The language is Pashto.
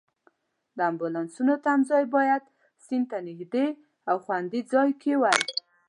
د امبولانسونو تمځای باید سیند ته نږدې او خوندي ځای کې وای.